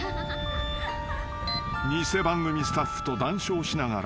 ［偽番組スタッフと談笑しながら歩く］